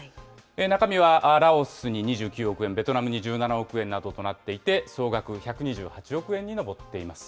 中身はラオスに２９億円、ベトナムに１７億円などとなっていて、総額１２８億円に上っています。